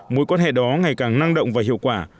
mối quan hệ đó ngày càng năng động và hiệu quả